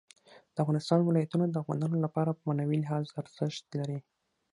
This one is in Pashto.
د افغانستان ولايتونه د افغانانو لپاره په معنوي لحاظ ارزښت لري.